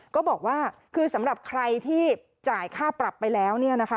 ก็บอกว่าคือสำหรับใครที่จ่ายค่าปรับไปแล้วเนี่ยนะคะ